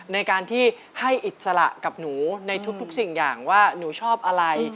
ในการที่ให้อิสระกับหนูในทุกสิ่งอย่างว่าหนูชอบอะไร